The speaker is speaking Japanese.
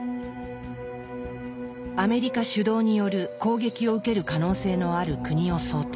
アメリカ主導による攻撃を受ける可能性のある国を想定。